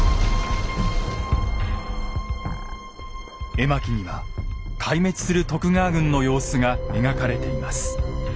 絵巻には壊滅する徳川軍の様子が描かれています。